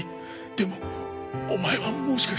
でもお前はもしかしたら。